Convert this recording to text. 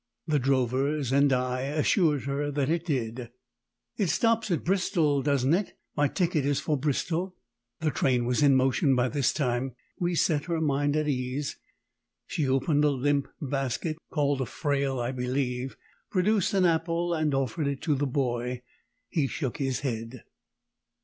The drovers and I assured her that it did. "It stops at Bristol, doesn't it? My ticket is for Bristol." The train was in motion by this time. We set her mind at ease. She opened a limp basket (called a "frail" I believe), produced an apple and offered it to the boy. He shook his head.